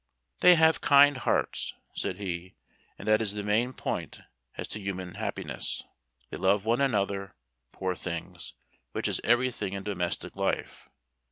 "They have kind hearts," said he, "and that is the main point as to human happiness. They love one another, poor things, which is every thing in domestic life.